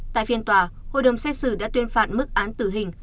tại phiên tòa hội đồng xét xử đã tuyên phạt mức án tử hình